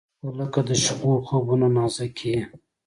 • ته لکه د شپو خوبونه نازک یې.